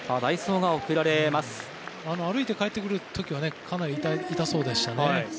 歩いて帰ってくる時はかなり痛そうでしたね。